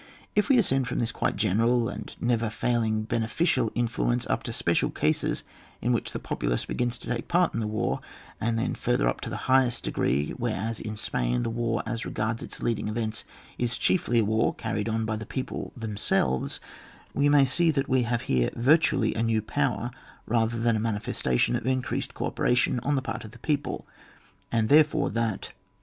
If we ascend from this quite general and never failing beneficial influence, up to special cases in which the populace begins to take part in the war, and then further up to the highest degree, where as in Spain, the war, as regards its leading events is chiefly a war carried on by the people themselves, we may see that we nave here virtually a new power rather than a manifestation of increased co operation on the part of the people, and therefore that — 4.